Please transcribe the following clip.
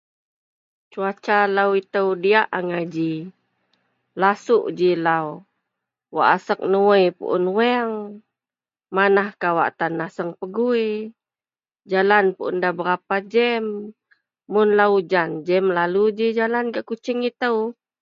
Cuaca lau ito diyak angai ji lasuok ji lau wasiek nuwei puon weang manah kawak tan naseang pegui jalan puon nda bei berapa jem mun lau ujan jem lalu ji jalan gak Kuching ito.